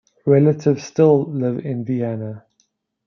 Relatives still live in Vienna.